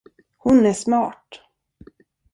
Hon är smart.